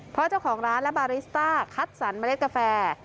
เพราะเจ้าของร้านและบาริสต้าคัดสรรเมล็ดกาแฟ